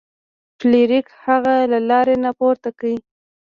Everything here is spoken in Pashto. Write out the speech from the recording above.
فلیریک هغه له لارې نه پورته کړ.